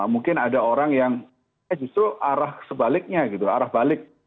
mungkin ada orang yang justru arah sebaliknya gitu arah balik